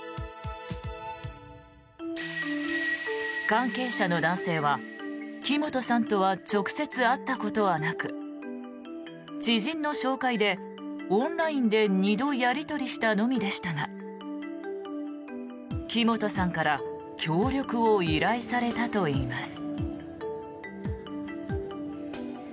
関係者の男性は、木本さんとは直接会ったことはなく知人の紹介でオンラインで２度やり取りしたのみでしたが木本さんから協力を依頼されたといいます。